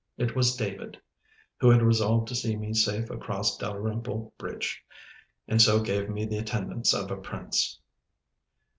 It was David, who had resolved to see me safe across Dalrymple bridge, and so gave me the attendance of a prince.